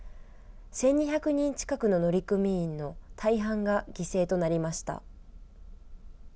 １２００人近くの乗組員の大半が犠牲となりました。